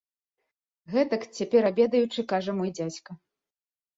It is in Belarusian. Гэтак, цяпер абедаючы, кажа мой дзядзька.